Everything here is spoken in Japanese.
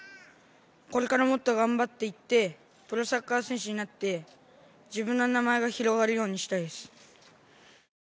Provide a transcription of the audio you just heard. これからもっと頑張っていって、プロサッカー選手になって、自分の名前が広がるようにしたいです。